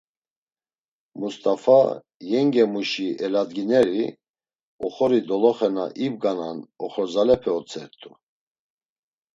Must̆afa, yengemuşi eladgineri, oxori doloxe na ibganan oxorzalepe otzert̆u.